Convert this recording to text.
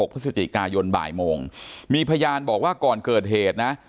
พฤศจิกายนบ่ายโมงมีพยานบอกว่าก่อนเกิดเหตุนะ